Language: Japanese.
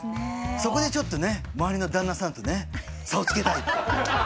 そこでちょっとね周りの旦那さんとね差をつけたい。